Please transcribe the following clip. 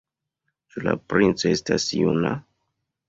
Ĉu la princo estas juna?